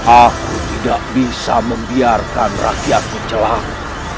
aku tidak bisa membiarkan rakyat menjelang